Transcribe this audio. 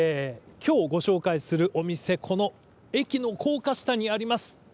きょうご紹介するお店、この駅の高架下にあります。